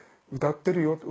歌ってるよ。